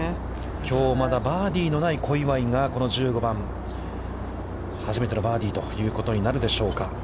きょう、まだバーディーのない小祝が、この１５番、初めてのバーディーということになるでしょうか。